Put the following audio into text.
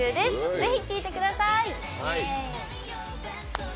ぜひ聴いてください！